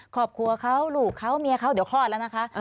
ครอบครัวเขาลูกเขาเมียเขาเดี๋ยวคลอดแล้วนะคะ